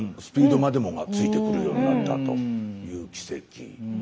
スピードまでもがついてくるようになったという奇跡。